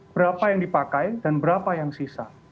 berapa yang dipakai dan berapa yang sisa